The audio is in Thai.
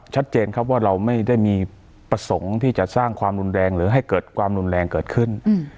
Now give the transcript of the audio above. ชัดเจนครับว่าเราไม่ได้มีประสงค์ที่จะสร้างความรุนแรงหรือให้เกิดความรุนแรงเกิดขึ้น